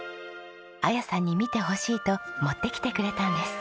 彩さんに見てほしいと持ってきてくれたんです。